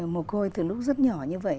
một ngôi từ lúc rất nhỏ như vậy